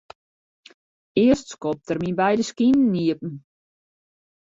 Earst skopt er myn beide skinen iepen.